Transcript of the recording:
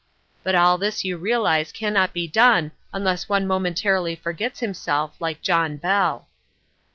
But all this you realize cannot be done unless one momentarily forgets himself like John Bell.